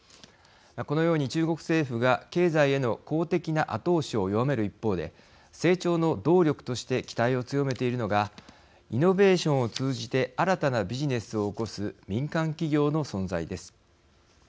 このように中国政府が、経済への公的な後押しを弱める一方で成長の動力として期待を強めているのがイノベーションを通じて新たなビジネスを起こす民間企業の存在です。